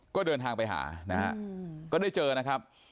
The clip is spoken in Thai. ก็เดินทางไปหานะฮะก็ได้เจอนะครับ